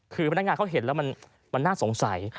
คือพนักงานเขาเห็นแล้วมันน่าสงสัย